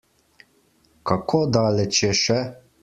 Kako daleč je še?